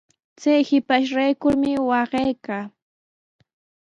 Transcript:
Chay shipashraykumi waqaykaa.